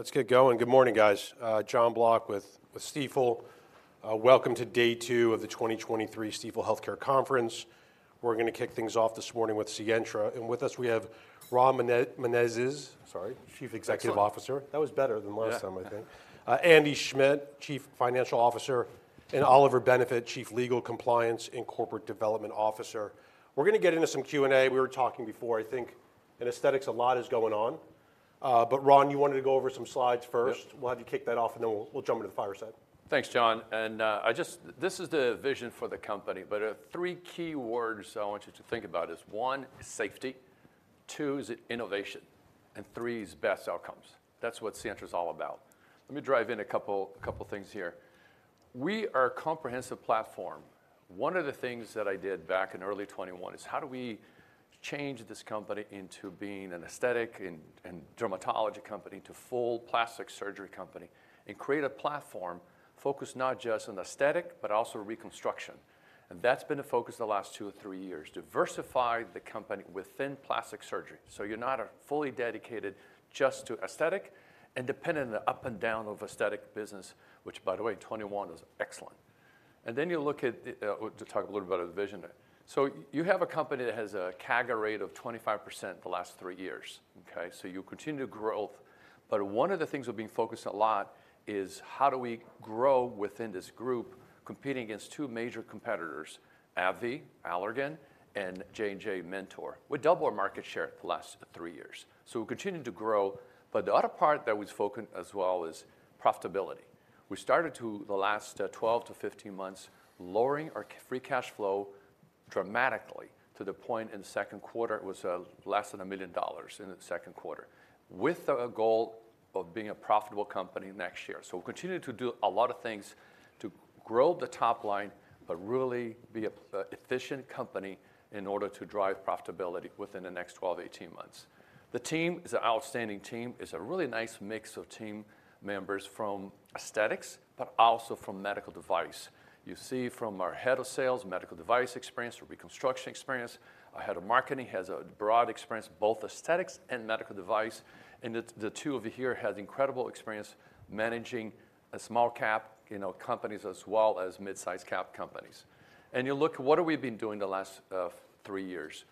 Let's get going. Good morning, guys. Jon Block with Stifel. Welcome to day two of the 2023 Stifel Healthcare Conference. We're going to kick things off this morning with Sientra, and with us, we have Ron Menezes, sorry, Chief Executive Officer. That's fine. That was better than last time, I think. Yeah. Andy Schmidt, Chief Financial Officer, and Oliver Bennett, Chief Legal, Compliance, and Corporate Development Officer. We're going to get into some Q&A. We were talking before, I think in aesthetics, a lot is going on. But Ron, you wanted to go over some slides first. Yeah. We'll have you kick that off, and then we'll jump into the fireside. Thanks, Jon. And, I just—this is the vision for the company, but, three key words I want you to think about is, one, safety, two is innovation, and three is best outcomes. That's what Sientra is all about. Let me drive in a couple things here. We are a comprehensive platform. One of the things that I did back in early 2021 is, how do we change this company into being an aesthetic and dermatology company to full plastic surgery company, and create a platform focused not just on aesthetic, but also reconstruction? And that's been the focus the last two or three years, diversify the company within plastic surgery, so you're not fully dedicated just to aesthetic and dependent on the up and down of aesthetic business, which, by the way, 2021 was excellent. You look at, to talk a little about our vision. So you have a company that has a CAGR rate of 25% the last three years, okay? So you continue growth, but one of the things we've been focused a lot is, how do we grow within this group, competing against two major competitors: AbbVie, Allergan, and Johnson & Johnson Mentor. We doubled our market share the last three years, so we're continuing to grow. But the other part that we've focused as well is profitability. We started to, the last 12-15 months, lowering our free cash flow dramatically to the point in the second quarter, it was less than $1 million in the second quarter, with the goal of being a profitable company next year. So we're continuing to do a lot of things to grow the top line, but really be an efficient company in order to drive profitability within the next 12-18 months. The team is an outstanding team. It's a really nice mix of team members from aesthetics, but also from medical device. You see from our head of sales, medical device experience, reconstruction experience. Our head of marketing has a broad experience, both aesthetics and medical device, and the two over here have incredible experience managing a small-cap, you know, companies as well as mid-size cap companies. And you look, what have we been doing the last 3 years?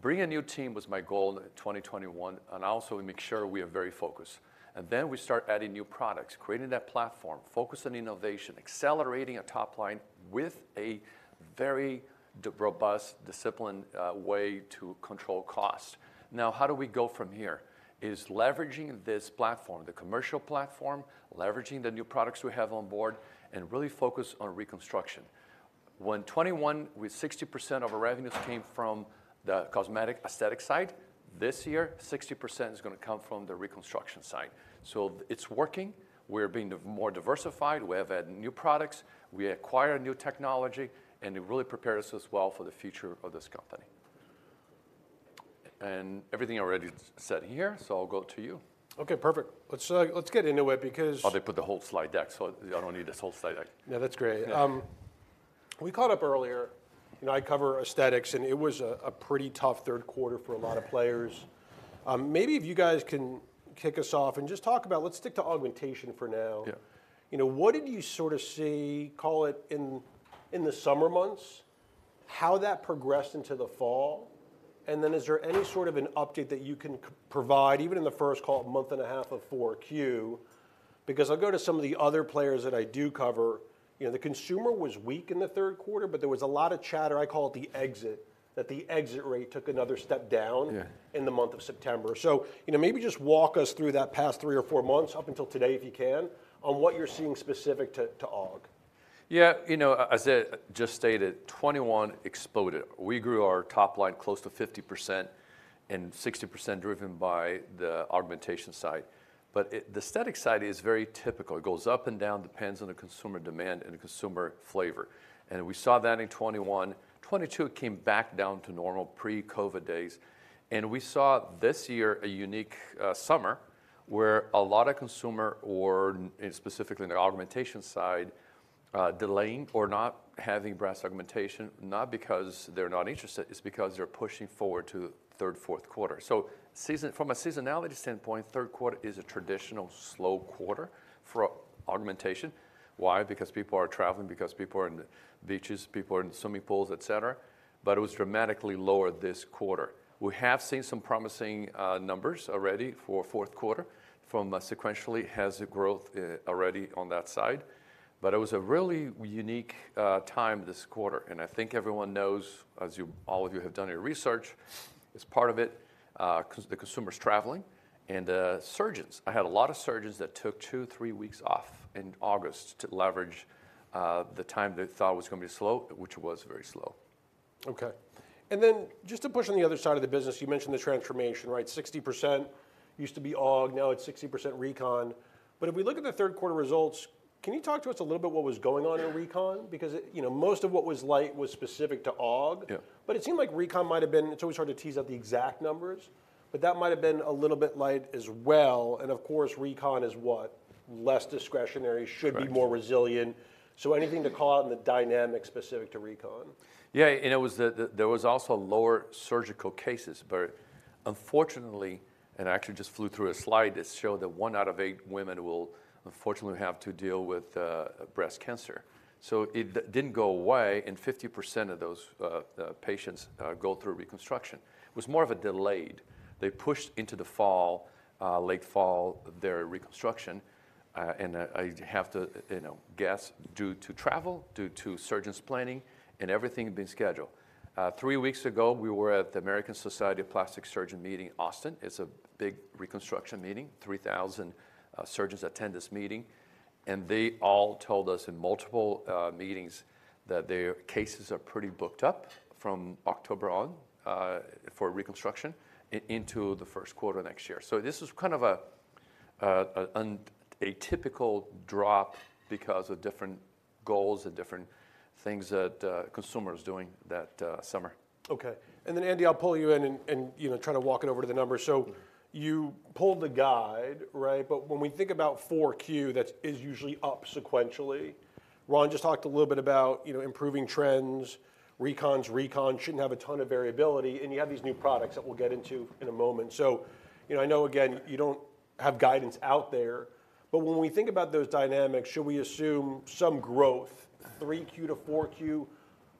Bringing a new team was my goal in 2021, and also we make sure we are very focused. And then, we start adding new products, creating that platform, focus on innovation, accelerating a top line with a very robust, disciplined way to control cost. Now, how do we go from here? It is leveraging this platform, the commercial platform, leveraging the new products we have on board, and really focus on reconstruction. In 2021, 60% of our revenues came from the cosmetic aesthetic side, this year, 60% is going to come from the reconstruction side. So it's working. We're being more diversified. We have added new products, we acquire new technology, and it really prepares us as well for the future of this company. And everything already said here, so I'll go to you. Okay, perfect. Let's get into it, because- Oh, they put the whole slide deck, so I don't need this whole slide deck. Yeah, that's great. Yeah. We caught up earlier, and I cover aesthetics, and it was a pretty tough third quarter for a lot of players. Maybe if you guys can kick us off and just talk about... Let's stick to augmentation for now. Yeah. You know, what did you sort of see, call it, in the summer months, how that progressed into the fall? And then, is there any sort of an update that you can provide, even in the first, call it, month and a half of 4Q? Because I'll go to some of the other players that I do cover. You know, the consumer was weak in the third quarter, but there was a lot of chatter, I call it the exit, that the exit rate took another step down- Yeah... in the month of September. So, you know, maybe just walk us through that past 3 or 4 months, up until today, if you can, on what you're seeing specific to August. Yeah, you know, as I just stated, 2021 exploded. We grew our top line close to 50%, and 60% driven by the augmentation side. But the aesthetic side is very typical. It goes up and down, depends on the consumer demand and the consumer flavor, and we saw that in 2021. 2022, it came back down to normal pre-COVID days, and we saw this year a unique summer, where a lot of consumer, and specifically in the augmentation side, delaying or not having breast augmentation, not because they're not interested, it's because they're pushing forward to the third, fourth quarter. So from a seasonality standpoint, third quarter is a traditional slow quarter for augmentation. Why? Because people are traveling, because people are in the beaches, people are in swimming pools, et cetera, but it was dramatically lower this quarter. We have seen some promising, numbers already for fourth quarter from, sequentially, it has a growth, already on that side. But it was a really unique, time this quarter, and I think everyone knows, as you, all of you have done your research, as part of it, 'cause the consumer's traveling. And, surgeons, I had a lot of surgeons that took two, three weeks off in August to leverage, the time they thought was going to be slow, which was very slow. Okay. And then, just to push on the other side of the business, you mentioned the transformation, right? 60% used to be Aug, now it's 60% Recon. But if we look at the third quarter results, can you talk to us a little bit what was going on in Recon? Because it, you know, most of what was light was specific to Aug. Yeah. But it seemed like Recon might have been... It's always hard to tease out the exact numbers, but that might have been a little bit light as well. And of course, Recon is what? Less discretionary- Correct... should be more resilient. So anything to call out on the dynamics specific to Recon? Yeah, and it was, there was also lower surgical cases, unfortunately, and I actually just flew through a slide that showed that one out of eight women will unfortunately have to deal with breast cancer. So it didn't go away, and 50% of those patients go through reconstruction. It was more of a delayed. They pushed into the fall, late fall, their reconstruction, and I have to, you know, guess, due to travel, due to surgeons planning, and everything being scheduled. Three weeks ago, we were at the American Society of Plastic Surgeons Annual meeting in Austin. It's a big reconstruction meeting. 3,000 surgeons attend this meeting, and they all told us in multiple meetings that their cases are pretty booked up from October on for reconstruction into the first quarter next year. So this is kind of a typical drop because of different goals and different things that consumers doing that summer. Okay. And then, Andy, I'll pull you in and, you know, try to walk it over to the numbers. So you pulled the guide, right? But when we think about 4Q, that is usually up sequentially. Ron just talked a little bit about, you know, improving trends, recons, recon shouldn't have a ton of variability, and you have these new products that we'll get into in a moment. So, you know, I know, again, you don't have guidance out there, but when we think about those dynamics, should we assume some growth, 3Q to 4Q,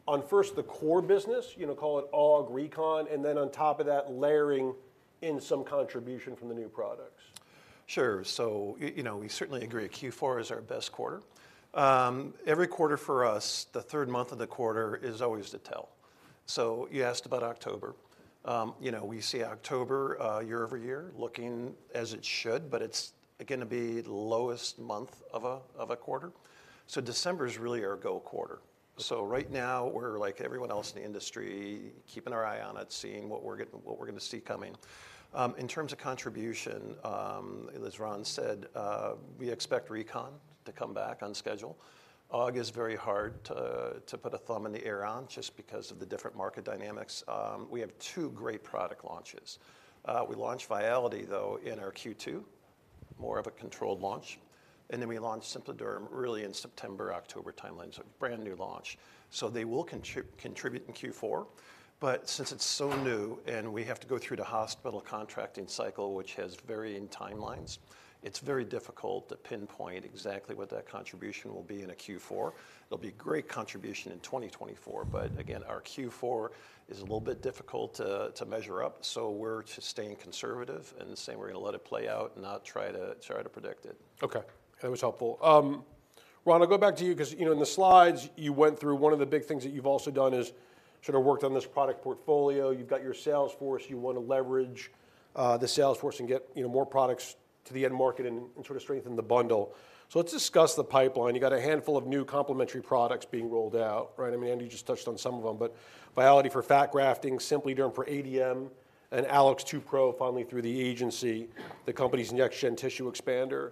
on first the core business, you know, call it aug recon, and then on top of that, layering in some contribution from the new products? Sure. So you know, we certainly agree, Q4 is our best quarter. Every quarter for us, the third month of the quarter is always the tell. So you asked about October. You know, we see October, year-over-year, looking as it should, but it's gonna be the lowest month of a quarter. So December is really our go quarter. So right now, we're like everyone else in the industry, keeping our eye on it, seeing what we're gonna see coming. In terms of contribution, as Ron said, we expect recon to come back on schedule. Aug is very hard to put a thumb in the air on, just because of the different market dynamics. We have two great product launches. We launched Viality, though, in our Q2, more of a controlled launch, and then we launched SimpliDerm really in September, October timeline, so brand-new launch. So they will contribute in Q4, but since it's so new and we have to go through the hospital contracting cycle, which has varying timelines, it's very difficult to pinpoint exactly what that contribution will be in Q4. There'll be great contribution in 2024, but again, our Q4 is a little bit difficult to measure up, so we're just staying conservative and saying we're gonna let it play out and not try to predict it. Okay, that was helpful. Ron, I'll go back to you, 'cause, you know, in the slides, you went through one of the big things that you've also done is sort of worked on this product portfolio. You've got your sales force. You want to leverage the sales force and get, you know, more products to the end market and sort of strengthen the bundle. So let's discuss the pipeline. You got a handful of new complementary products being rolled out, right? I mean, Andy, you just touched on some of them, but Viality for fat grafting, SimpliDerm for ADM, and AlloX2 Pro finally through the FDA, the company's next gen tissue expander.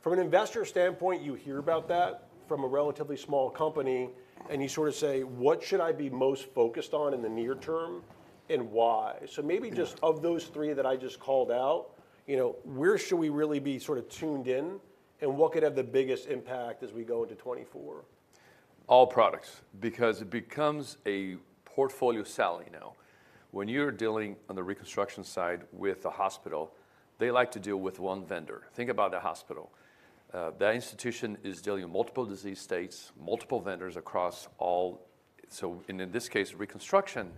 From an investor standpoint, you hear about that from a relatively small company, and you sort of say: What should I be most focused on in the near term, and why? Yeah. So maybe just of those three that I just called out, you know, where should we really be sort of tuned in, and what could have the biggest impact as we go into 2024? All products, because it becomes a portfolio sell now. When you're dealing on the reconstruction side with a hospital, they like to deal with one vendor. Think about the hospital. That institution is dealing with multiple disease states, multiple vendors across all... So in this case, reconstruction,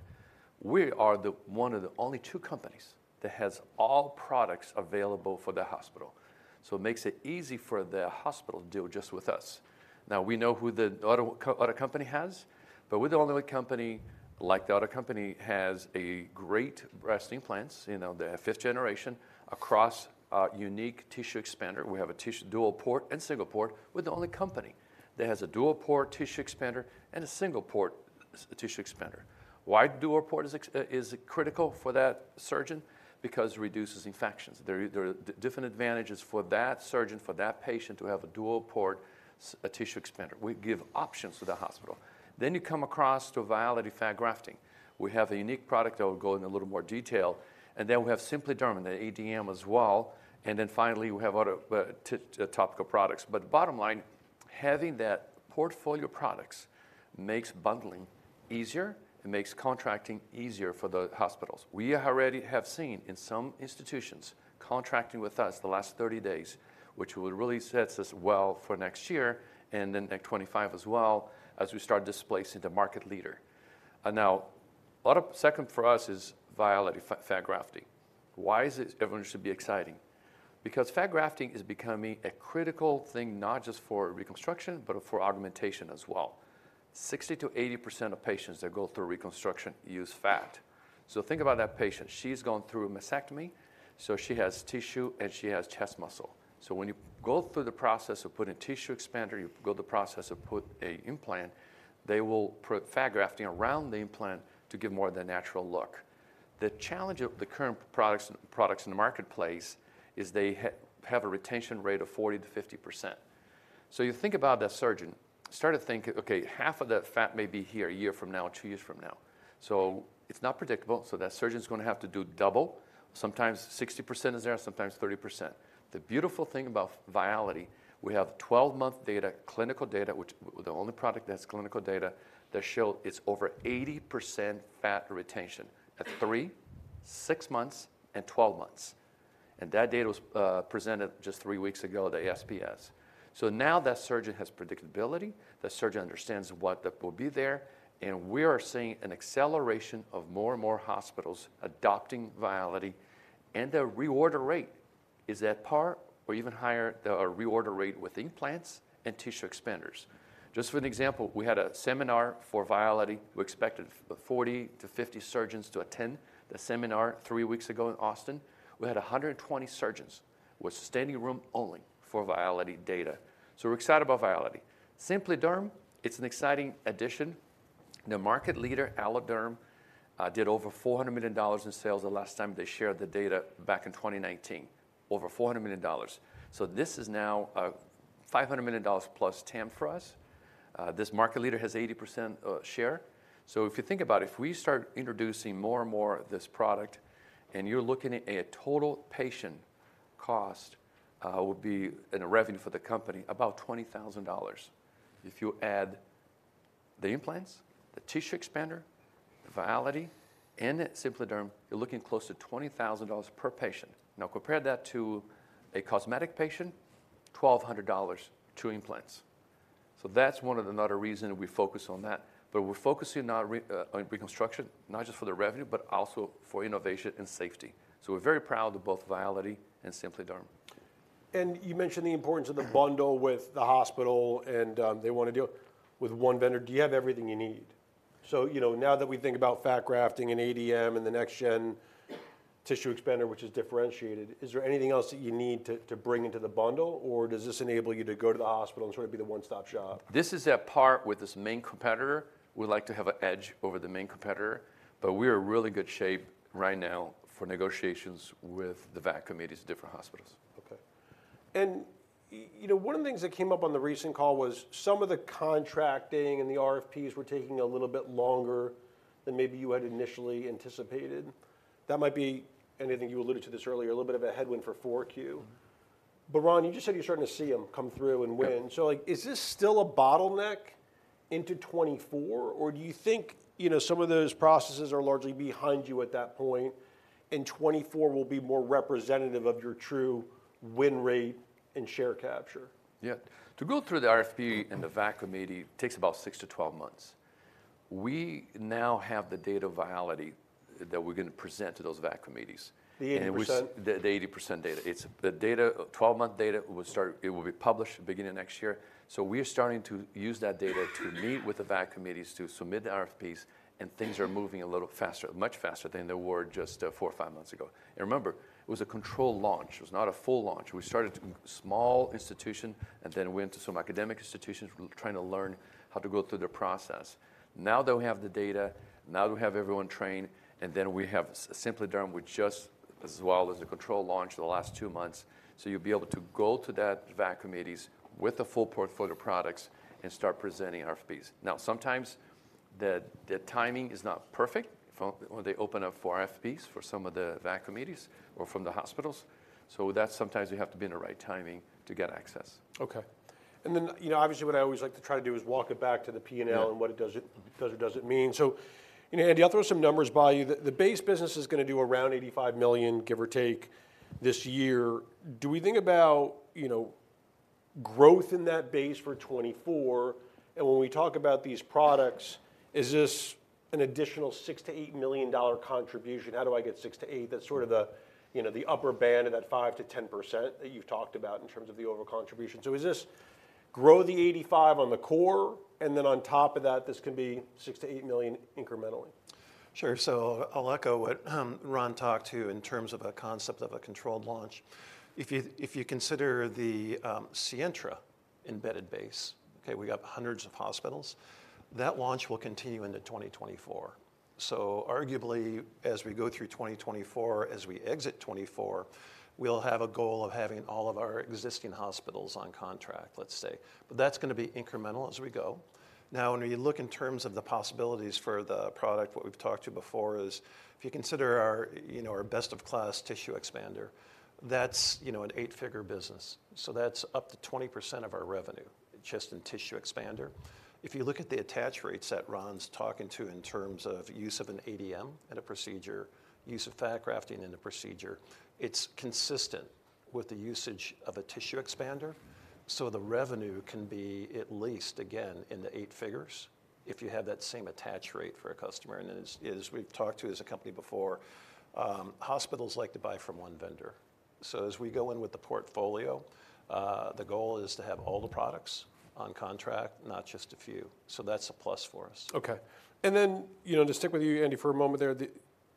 we are one of the only two companies that has all products available for the hospital. So it makes it easy for the hospital to deal just with us. Now, we know who the other company has, but we're the only company, like the other company, has great breast implants, you know, the fifth generation, as well as a unique tissue expander. We have a tissue dual port and single port. We're the only company that has a dual port tissue expander and a single port tissue expander. Why dual port is critical for that surgeon? Because it reduces infections. There are different advantages for that surgeon, for that patient to have a dual port, a tissue expander. We give options to the hospital. Then you come across to Viality fat grafting. We have a unique product that will go in a little more detail, and then we have SimpliDerm, the ADM as well, and then finally, we have other topical products. But bottom line, having that portfolio of products makes bundling easier, it makes contracting easier for the hospitals. We already have seen in some institutions, contracting with us the last 30 days, which will really sets us well for next year, and then next 2025 as well, as we start displacing the market leader. And now, other second for us is Viality fat grafting. Why is it everyone should be exciting? Because fat grafting is becoming a critical thing, not just for reconstruction, but for augmentation as well. 60%-80% of patients that go through reconstruction use fat. So think about that patient. She's gone through a mastectomy, so she has tissue, and she has chest muscle. So when you go through the process of putting tissue expander, you go the process of put a implant, they will put fat grafting around the implant to give more of the natural look. The challenge of the current products, products in the marketplace is they have a retention rate of 40%–50%. So you think about that surgeon, start to think, okay, half of that fat may be here a year from now, two years from now. So it's not predictable, so that surgeon's gonna have to do double. Sometimes 60% is there, sometimes 30%. The beautiful thing about Viality, we have 12-month data, clinical data, which the only product that's clinical data, that show it's over 80% fat retention at three, six months, and 12 months... and that data was presented just three weeks ago at ASPS. So now that surgeon has predictability, the surgeon understands what that will be there, and we are seeing an acceleration of more and more hospitals adopting Viality, and the reorder rate is at par or even higher the reorder rate with implants and tissue expanders. Just for an example, we had a seminar for Viality. We expected 40–50 surgeons to attend the seminar three weeks ago in Austin. We had 120 surgeons with standing room only for Viality data. So we're excited about Viality. SimpliDerm, it's an exciting addition. The market leader, AlloDerm, did over $400 million in sales the last time they shared the data back in 2019. Over $400 million. So this is now a $500 million plus TAM for us. This market leader has 80%, share. So if you think about it, if we start introducing more and more of this product, and you're looking at a total patient cost, would be... and a revenue for the company, about $20,000. If you add the implants, the tissue expander, Viality, and SimpliDerm, you're looking close to $20,000 per patient. Now, compare that to a cosmetic patient, $1,200, two implants. So that's one of another reason we focus on that. But we're focusing now on reconstruction, not just for the revenue, but also for innovation and safety. We're very proud of both Viality and SimpliDerm. You mentioned the importance of the bundle with the hospital, and they want to deal with one vendor. Do you have everything you need? So, you know, now that we think about fat grafting and ADM and the next gen tissue expander, which is differentiated, is there anything else that you need to bring into the bundle, or does this enable you to go to the hospital and sort of be the one-stop shop? This is at par with this main competitor. We'd like to have an edge over the main competitor, but we are in really good shape right now for negotiations with the VAC committees at different hospitals. Okay. And you know, one of the things that came up on the recent call was some of the contracting and the RFPs were taking a little bit longer than maybe you had initially anticipated. That might be, and I think you alluded to this earlier, a little bit of a headwind for Q4. Mm-hmm. But Ron, you just said you're starting to see them come through and win. Yeah. Like, is this still a bottleneck into 2024, or do you think, you know, some of those processes are largely behind you at that point, and 2024 will be more representative of your true win rate and share capture? Yeah. To go through the RFP and the VAC committee takes about 6–12 months. We now have the data Viality that we're going to present to those VAC committees. The 80%- The 80% data. It's the data, 12-month data, will be published beginning of next year. So we are starting to use that data to meet with the VAC committees, to submit the RFPs, and things are moving a little faster, much faster than they were just four or five months ago. And remember, it was a controlled launch. It was not a full launch. We started small institution, and then we went to some academic institutions. We were trying to learn how to go through the process. Now that we have the data, now that we have everyone trained, and then we have SimpliDerm, which just as well as the control launch in the last two months. So you'll be able to go to that VAC committees with the full portfolio of products and start presenting RFPs. Now, sometimes, the timing is not perfect for when they open up for RFPs for some of the VAC committees or from the hospitals. So with that, sometimes you have to be in the right timing to get access. Okay. And then, you know, obviously, what I always like to try to do is walk it back to the P&L- Yeah... and what it does, it does or doesn't mean. So, you know, Andy, I'll throw some numbers by you. The base business is gonna do around $85 million, give or take, this year. Do we think about, you know, growth in that base for 2024? And when we talk about these products, is this an additional $6 million–$8 million contribution? How do I get $6 million–$8 million? That's sort of the, you know, the upper band of that 5%-10% that you've talked about in terms of the overall contribution. So is this grow the $85 million on the core, and then on top of that, this can be $6 million–$8 million incrementally? Sure, so I'll echo what Ron talked to in terms of a concept of a controlled launch. If you, if you consider the Sientra embedded base, okay, we got hundreds of hospitals, that launch will continue into 2024. So arguably, as we go through 2024, as we exit 2024, we'll have a goal of having all of our existing hospitals on contract, let's say. But that's gonna be incremental as we go. Now, when we look in terms of the possibilities for the product, what we've talked to before is, if you consider our, you know, our best-of-class tissue expander, that's, you know, an eight-figure business. So that's up to 20% of our revenue, just in tissue expander. If you look at the attach rates that Ron's talking to in terms of use of an ADM in a procedure, use of fat grafting in a procedure, it's consistent with the usage of a tissue expander. So the revenue can be at least, again, in the eight figures, if you have that same attach rate for a customer. And as, as we've talked to as a company before, hospitals like to buy from one vendor. So as we go in with the portfolio, the goal is to have all the products on contract, not just a few. So that's a plus for us. Okay. And then, you know, to stick with you, Andy, for a moment there,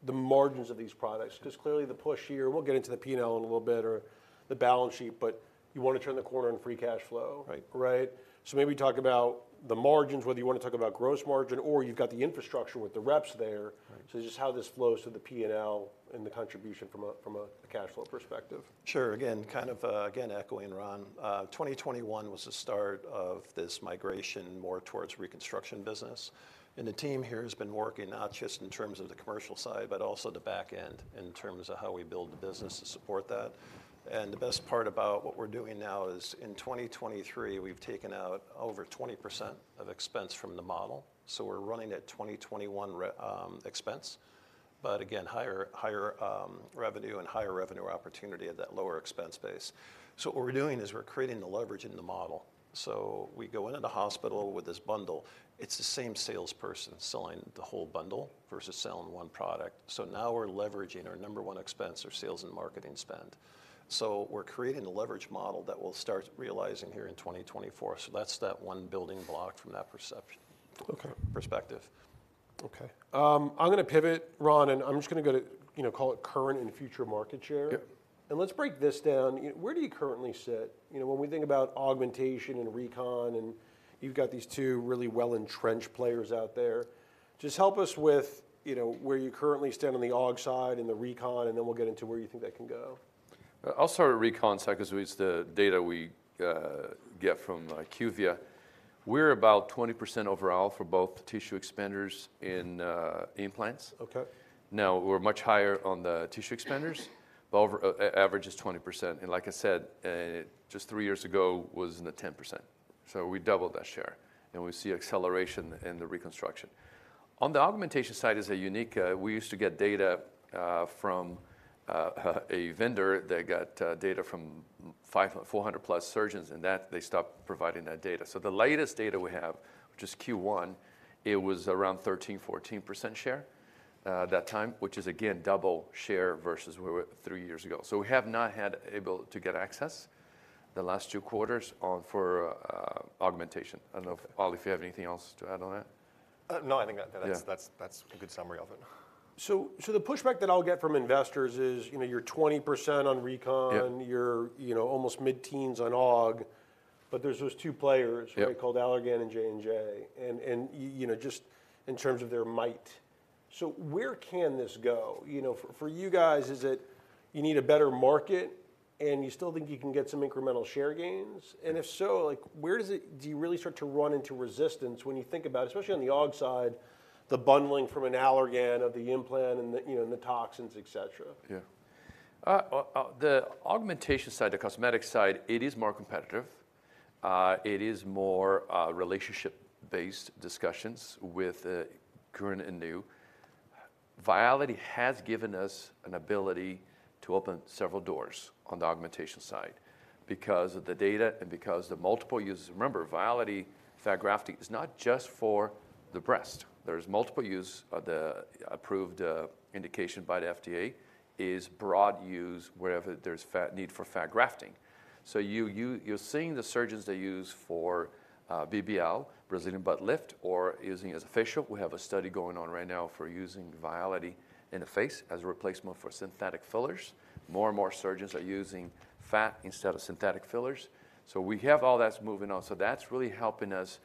the margins of these products, because clearly, the push here, we'll get into the P&L in a little bit, or the balance sheet, but you want to turn the corner on free cash flow? Right. Right? So maybe talk about the margins, whether you want to talk about gross margin, or you've got the infrastructure with the reps there. Right. Just how this flows to the P&L and the contribution from a cash flow perspective. Sure. Again, kind of, again, echoing Ron, 2021 was the start of this migration more towards reconstruction business. The team here has been working not just in terms of the commercial side, but also the back end, in terms of how we build the business to support that.... And the best part about what we're doing now is in 2023, we've taken out over 20% of expense from the model, so we're running at 2021 run rate expense. But again, higher, higher, revenue and higher revenue opportunity at that lower expense base. So what we're doing is we're creating the leverage in the model. So we go into the hospital with this bundle. It's the same salesperson selling the whole bundle versus selling one product. So now we're leveraging our number one expense, our sales and marketing spend. So we're creating the leverage model that we'll start realizing here in 2024. So that's that one building block from that perception- Okay - perspective. Okay. I'm going to pivot, Ron, and I'm just going to go to, you know, call it current and future market share. Yep. Let's break this down. Where do you currently sit? You know, when we think about augmentation and recon, and you've got these two really well-entrenched players out there, just help us with, you know, where you currently stand on the aug side and the recon, and then we'll get into where you think that can go. I'll start with recon side because we use the data we get from, like, IQVIA. We're about 20% overall for both tissue expanders in implants. Okay. Now, we're much higher on the tissue expanders, but overall average is 20%. And like I said, just three years ago, was in the 10%, so we doubled that share, and we see acceleration in the reconstruction. On the augmentation side is a unique... We used to get data from a vendor that got data from 400+ surgeons, and that they stopped providing that data. So the latest data we have, which is Q1, it was around 13%-14% share that time, which is again, double share versus where we were three years ago. So we have not had able to get access the last two quarters on for augmentation. I don't know if, Ollie, if you have anything else to add on that? No, I think that. Yeah... that's a good summary of it. So, the pushback that I'll get from investors is, you know, you're 20% on recon- Yep... you're, you know, almost mid-teens on aug, but there's those two players- Yep... called Allergan and J&J, and you know, just in terms of their might. So where can this go? You know, for you guys, is it you need a better market, and you still think you can get some incremental share gains? And if so, like, where does it, do you really start to run into resistance when you think about, especially on the aug side, the bundling from an Allergan of the implant and the, you know, and the toxins, etcetera? Yeah. The augmentation side, the cosmetic side, it is more competitive. It is more relationship-based discussions with current and new. Viality has given us an ability to open several doors on the augmentation side because of the data and because the multiple users... Remember, Viality fat grafting is not just for the breast. There's multiple use, of the approved indication by the FDA, is broad use wherever there's fat need for fat grafting. So you're seeing the surgeons they use for BBL, Brazilian butt lift, or using as a facial. We have a study going on right now for using Viality in the face as a replacement for synthetic fillers. More and more surgeons are using fat instead of synthetic fillers. So we have all that's moving on. So that's really helping us.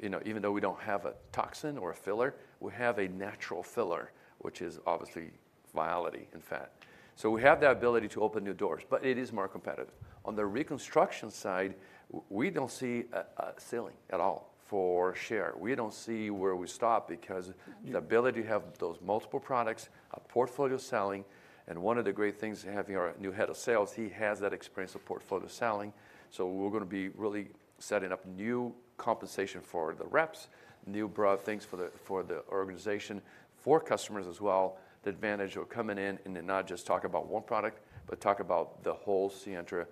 You know, even though we don't have a toxin or a filler, we have a natural filler, which is obviously Viality and fat. So we have the ability to open new doors, but it is more competitive. On the reconstruction side, we don't see a ceiling at all for share. We don't see where we stop because- Mm ...the ability to have those multiple products, a portfolio selling, and one of the great things, having our new head of sales, he has that experience of portfolio selling. So we're going to be really setting up new compensation for the reps, new broad things for the organization, for customers as well. The advantage of coming in and to not just talk about one product, but talk about the whole Sientra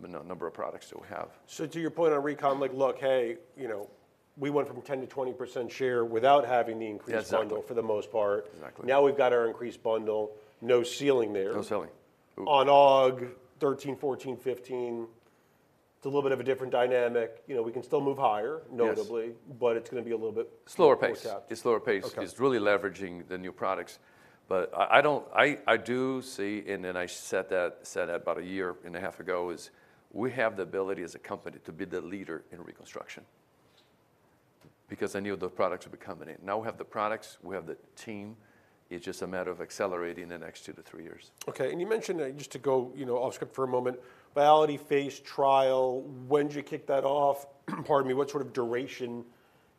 number of products that we have. So to your point on recon, like, look, hey, you know, we went from 10%-20% share without having the increased- Exactly - bundle for the most part. Exactly. Now, we've got our increased bundle. No ceiling there. No ceiling. On August 13-15, it's a little bit of a different dynamic. You know, we can still move higher- Yes ...notably, but it's going to be a little bit- Slower pace - more capped. It's slower pace. Okay. It's really leveraging the new products. But I do see, and then I said that about 1.5 years ago, is we have the ability as a company to be the leader in reconstruction because I knew the products would be coming in. Now, we have the products, we have the team. It's just a matter of accelerating the next 2–3 years. Okay, and you mentioned, just to go, you know, off script for a moment, Viality phase trial, when did you kick that off? Pardon me. What sort of duration,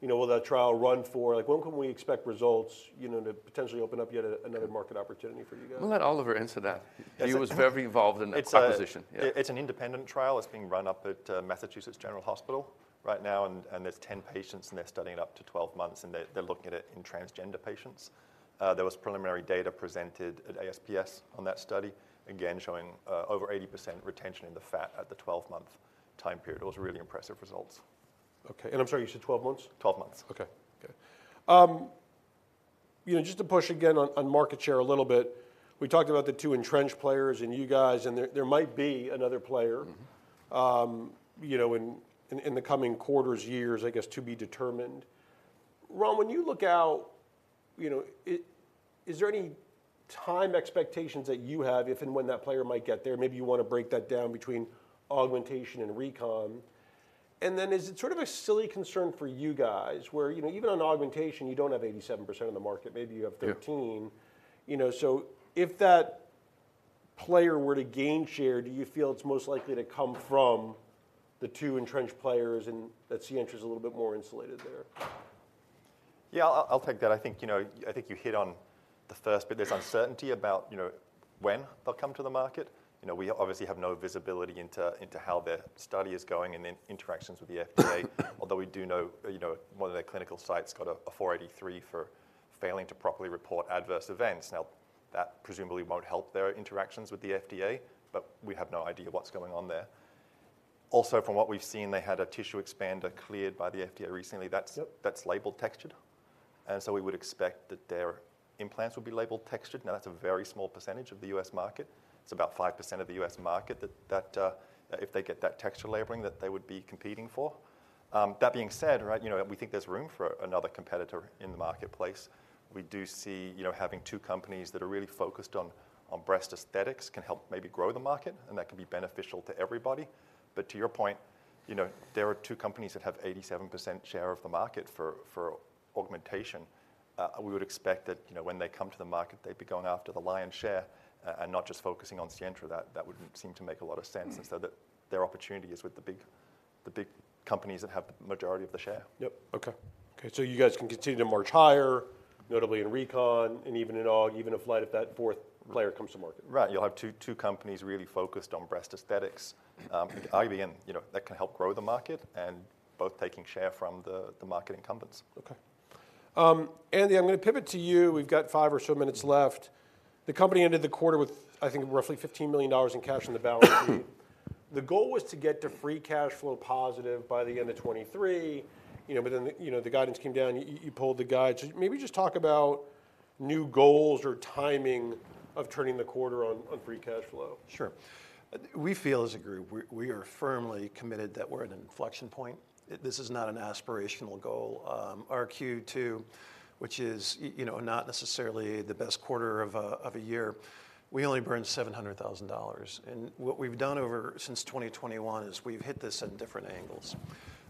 you know, will that trial run for? Like, when can we expect results, you know, to potentially open up yet another market opportunity for you guys? We'll let Oliver answer that. Yes. He was very involved in the acquisition. It's a- Yeah... it's an independent trial. It's being run up at Massachusetts General Hospital right now, and there's 10 patients, and they're studying it up to 12 months, and they're looking at it in transgender patients. There was preliminary data presented at ASPS on that study, again, showing over 80% retention in the fat at the 12-month time period. It was really impressive results. Okay. And I'm sorry, you said 12 months? Twelve months. Okay, good. You know, just to push again on market share a little bit, we talked about the two entrenched players and you guys, and there might be another player- Mm-hmm... you know, in the coming quarters, years, I guess, to be determined. Ron, when you look out, you know, is there any time expectations that you have, if and when that player might get there? Maybe you want to break that down between augmentation and recon. And then is it sort of a silly concern for you guys, where, you know, even on augmentation, you don't have 87% of the market, maybe you have 13. Yeah. You know, so if that player were to gain share, do you feel it's most likely to come from the two entrenched players, and that Sientra is a little bit more insulated there?... Yeah, I'll take that. I think, you know, I think you hit on the first bit. There's uncertainty about, you know, when they'll come to the market. You know, we obviously have no visibility into how their study is going and then interactions with the FDA. Although we do know, you know, one of their clinical sites got FDA Form 483 for failing to properly report adverse events. Now, that presumably won't help their interactions with the FDA, but we have no idea what's going on there. Also, from what we've seen, they had a tissue expander cleared by the FDA recently, that's- Yep... that's labeled textured, and so we would expect that their implants will be labeled textured. Now, that's a very small percentage of the U.S. market. It's about 5% of the U.S. market that if they get that texture labeling, that they would be competing for. That being said, right, you know, we think there's room for another competitor in the marketplace. We do see, you know, having two companies that are really focused on breast aesthetics can help maybe grow the market, and that can be beneficial to everybody. But to your point, you know, there are two companies that have 87% share of the market for augmentation. We would expect that, you know, when they come to the market, they'd be going after the lion's share, and not just focusing on Sientra. That wouldn't seem to make a lot of sense. Mm-hmm. And so, that their opportunity is with the big, the big companies that have the majority of the share. Yep. Okay. Okay, so you guys can continue to march higher, notably in recon and even in aug, even if, like, that fourth player comes to market? Right. You'll have two, two companies really focused on breast aesthetics. Obviously, and, you know, that can help grow the market and both taking share from the, the market incumbents. Okay. Andy, I'm gonna pivot to you. We've got five or so minutes left. The company ended the quarter with, I think, roughly $15 million in cash on the balance sheet. The goal was to get to free cash flow positive by the end of 2023, you know, but then, you know, the guidance came down, you pulled the guide. So maybe just talk about new goals or timing of turning the quarter on, on free cash flow. Sure. We feel as a group, we are firmly committed that we're at an inflection point. This is not an aspirational goal. Our Q2, which is, you know, not necessarily the best quarter of a year, we only burned $700,000, and what we've done over since 2021 is we've hit this at different angles.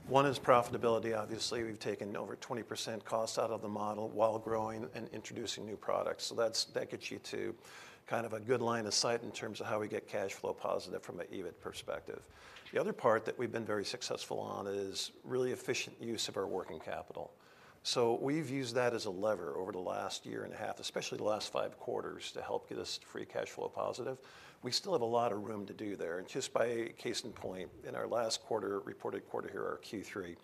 One is profitability. Obviously, we've taken over 20% cost out of the model while growing and introducing new products, so that gets you to kind of a good line of sight in terms of how we get cash flow positive from an EBIT perspective. The other part that we've been very successful on is really efficient use of our working capital. So we've used that as a lever over the last year and a half, especially the last five quarters, to help get us free cash flow positive. We still have a lot of room to do there, and just as a case in point, in our last quarter, reported quarter here, our Q3,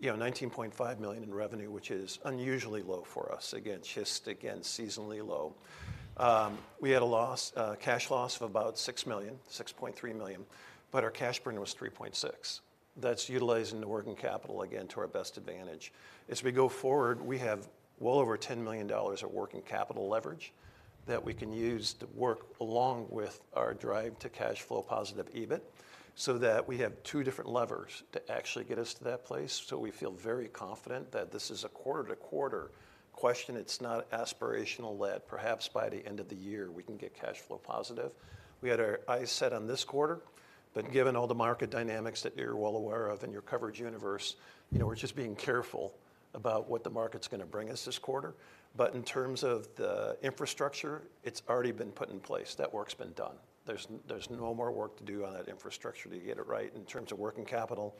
you know, $19.5 million in revenue, which is unusually low for us. Again, seasonally low. We had a loss, cash loss of about $6 million, $6.3 million, but our cash burn was $3.6. That's utilizing the working capital again to our best advantage. As we go forward, we have well over $10 million of working capital leverage that we can use to work along with our drive to cash flow positive EBIT, so that we have two different levers to actually get us to that place. So we feel very confident that this is a quarter-to-quarter question; it's not aspirational-led. Perhaps by the end of the year, we can get cash flow positive. We had our eyes set on this quarter, but given all the market dynamics that you're well aware of in your coverage universe, you know, we're just being careful about what the market's gonna bring us this quarter. But in terms of the infrastructure, it's already been put in place. That work's been done. There's no more work to do on that infrastructure to get it right. In terms of working capital,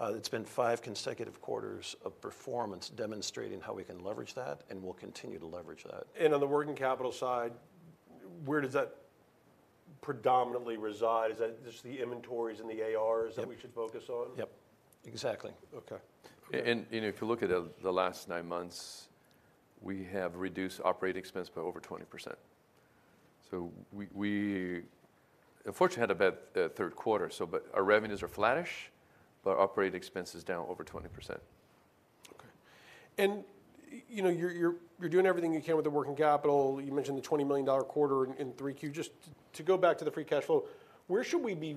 it's been five consecutive quarters of performance demonstrating how we can leverage that, and we'll continue to leverage that. On the working capital side, where does that predominantly reside? Is that just the inventories and the ARs- Yep... that we should focus on? Yep, exactly. Okay. And if you look at the last nine months, we have reduced operating expense by over 20%. We unfortunately had a bad third quarter, but our revenues are flattish, but our operating expense is down over 20%. Okay. And you know, you're doing everything you can with the working capital. You mentioned the $20 million quarter in 3Q. Just to go back to the free cash flow, where should we be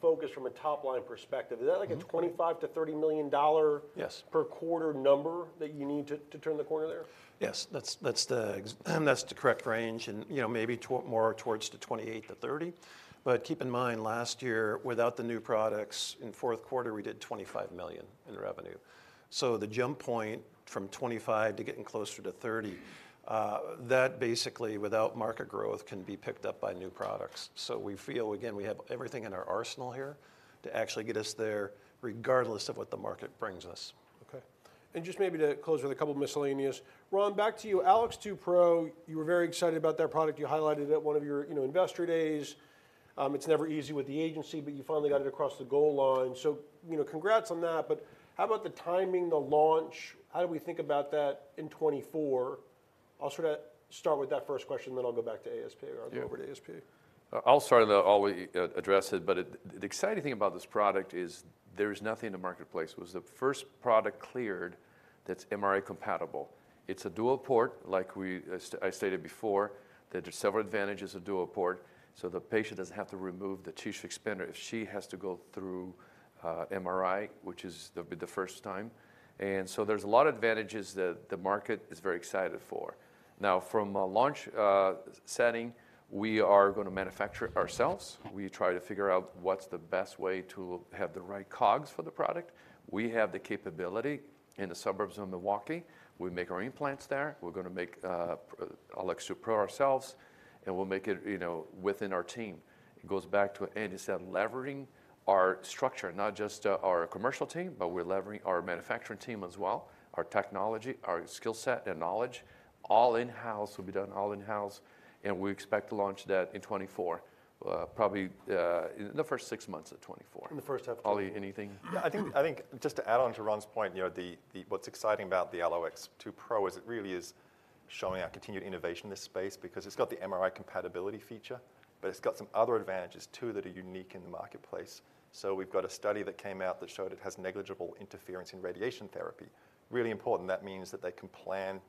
focused from a top-line perspective? Mm. Is that, like, a $25 million-$30 million dollar- Yes... per quarter number that you need to, to turn the corner there? Yes, that's the correct range and, you know, maybe more towards the $28 million–$30 million. But keep in mind, last year, without the new products, in fourth quarter, we did $25 million in revenue. So the jump from 25 to getting closer to 30, that basically, without market growth, can be picked up by new products. So we feel, again, we have everything in our arsenal here to actually get us there, regardless of what the market brings us. Okay. And just maybe to close with a couple of miscellaneous. Ron, back to you. AlloX2 Pro, you were very excited about that product. You highlighted it at one of your, you know, investor days. It's never easy with the agency, but you finally got it across the goal line. So, you know, congrats on that, but how about the timing, the launch? How do we think about that in 2024? I'll sort of start with that first question, then I'll go back to ASPS or- Yeah... over to ASPS. I'll start and then I'll address it, but it... The exciting thing about this product is there's nothing in the marketplace. It was the first product cleared that's MRI compatible. It's a dual port, like as I stated before, that there are several advantages of dual port, so the patient doesn't have to remove the tissue expander if she has to go through MRI, which is to be the first time. And so there's a lot of advantages that the market is very excited for. Now, from a launch setting-... we are gonna manufacture it ourselves. We try to figure out what's the best way to have the right COGS for the product. We have the capability in the suburbs of Milwaukee. We make our implants there. We're gonna make AlloX2 Pro ourselves, and we'll make it, you know, within our team. It goes back to Andy said, leveraging our structure, not just our commercial team, but we're leveraging our manufacturing team as well, our technology, our skill set and knowledge, all in-house, will be done all in-house, and we expect to launch that in 2024, probably in the first six months of 2024. In the first half. Ollie, anything? Yeah, I think just to add on to Ron's point, you know, the what's exciting about the AlloX2 Pro is it really is showing our continued innovation in this space because it's got the MRI compatibility feature, but it's got some other advantages, too, that are unique in the marketplace. So we've got a study that came out that showed it has negligible interference in radiation therapy. Really important. That means that they can plan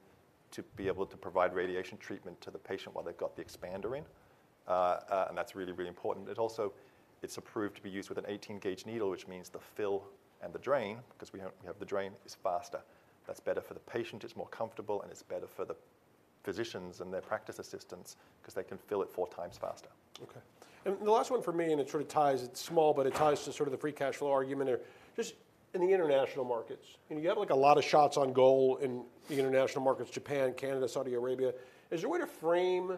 to be able to provide radiation treatment to the patient while they've got the expander in. And that's really, really important. It also, it's approved to be used with an 18-gauge needle, which means the fill and the drain, 'cause we have the drain, is faster. That's better for the patient, it's more comfortable, and it's better for the physicians and their practice assistants 'cause they can fill it four times faster. Okay. And the last one for me, and it sort of ties, it's small, but it ties to sort of the free cash flow argument there. Just in the international markets, and you have, like, a lot of shots on goal in the international markets, Japan, Canada, Saudi Arabia. Is there a way to frame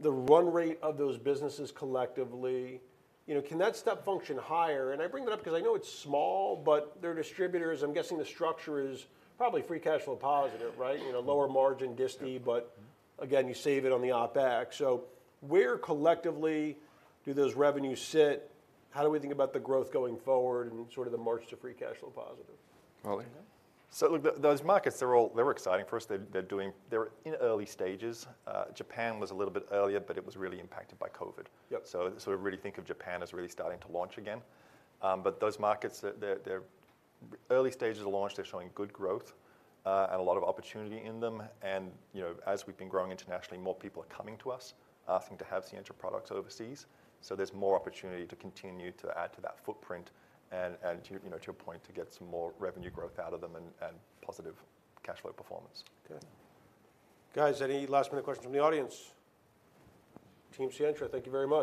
the run rate of those businesses collectively? You know, can that step function higher? And I bring that up 'cause I know it's small, but they're distributors. I'm guessing the structure is probably free cash flow positive, right? You know, lower margin disty- Yeah... but again, you save it on the OpEx. So where collectively do those revenues sit? How do we think about the growth going forward and sort of the march to free cash flow positive? Ollie? So look, those markets, they're all exciting for us. They're in early stages. Japan was a little bit earlier, but it was really impacted by COVID. Yep. So sort of really think of Japan as really starting to launch again. But those markets, they're in early stages of launch, they're showing good growth, and a lot of opportunity in them. And, you know, as we've been growing internationally, more people are coming to us asking to have Sientra products overseas. So there's more opportunity to continue to add to that footprint and, and to, you know, to your point, to get some more revenue growth out of them and, and positive cash flow performance. Okay. Guys, any last-minute questions from the audience? Team Sientra, thank you very much.